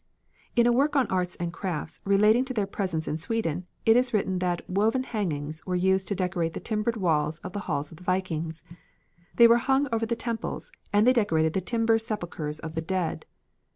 In a work on arts and crafts relating to their presence in Sweden, it is written that "woven hangings were used to decorate the timbered walls of the halls of the vikings. They were hung over the temples, and they decorated the timber sepulchres of the dead.